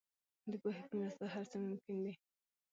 د پوهې په مرسته هر څه ممکن دي.